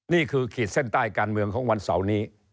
ขีดเส้นใต้การเมืองของวันเสาร์นี้